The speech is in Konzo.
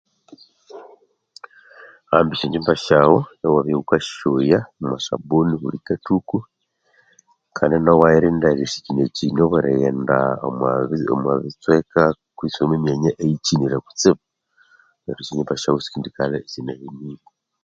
Ambi esya ngyimba syaghu iwabya wukasyoya omwa sabuni buli kathuku kandi nawu iwayirinda erisikyinyakyinya nobwerighenda omwa bitsweka kwisi omwa myanya eyi kyinire kutsibu neryo esya ngyimba syaghu isikendikalha isinahenirye.